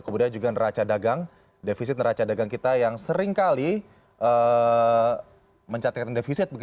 kemudian juga neraca dagang defisit neraca dagang kita yang seringkali mencatatkan defisit